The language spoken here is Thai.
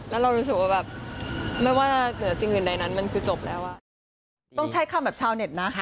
แล้วเรารู้สึกว่าแบบไม่ว่าเหนือสิ่งอื่นใดนั้นมันคือจบแล้ว